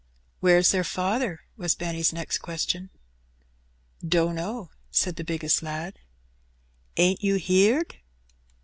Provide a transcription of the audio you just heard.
"Where's their faather?" was Benny's next question. Dunno," said the biggest lad. Ain't you heerd?"